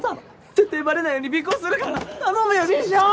絶対バレないように尾行するから頼むよ師匠！